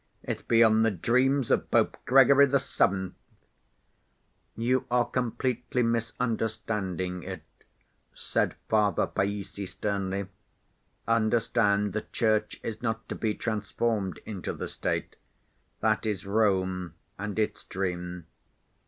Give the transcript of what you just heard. It's beyond the dreams of Pope Gregory the Seventh!" "You are completely misunderstanding it," said Father Païssy sternly. "Understand, the Church is not to be transformed into the State. That is Rome and its dream.